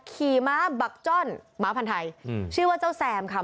ขี่ม้าบักจ้อนม้าพันธ์ไทยชื่อว่าเจ้าแซมค่ะ